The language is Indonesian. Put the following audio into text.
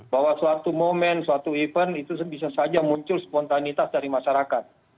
bahwa suatu momen suatu event itu bisa saja muncul spontanitas dari masyarakat